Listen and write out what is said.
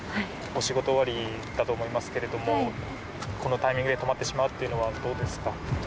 お仕事終わりだと思いますけどこのタイミングで止まってしまうというのは、どうですか？